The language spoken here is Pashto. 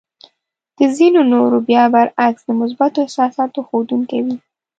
د ځينو نورو بيا برعکس د مثبتو احساساتو ښودونکې وې.